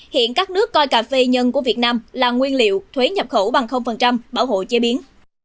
hiện các nước coi cà phê nhân của việt nam là nguyên liệu thuế nhập khẩu bằng bảo hộ chế biến